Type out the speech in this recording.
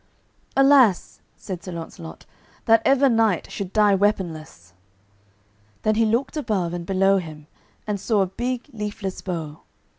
"Alas," said Sir Launcelot, "that ever knight should die weaponless." Then he looked above and below him, and saw a big leafless bough.